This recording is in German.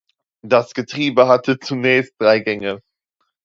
Das Getriebe hatte zunächst drei Gänge.